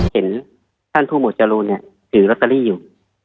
เห็นท่านผู้หมวดจรูนถือลอตเตอรี่อยู่